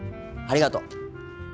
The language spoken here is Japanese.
ありがとう。